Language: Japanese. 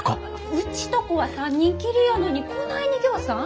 うちとこは３人きりやのにこないにぎょうさん？